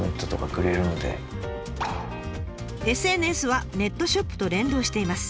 ＳＮＳはネットショップと連動しています。